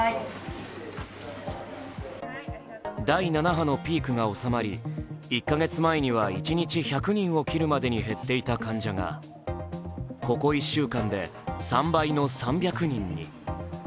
第７波のピークが収まり、１か月前には一日１００人を切るまでに減っていた患者がここ１週間で３倍の３００人に。